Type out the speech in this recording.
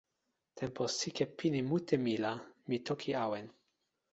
tenpo sike pini mute mi la, mi toki awen.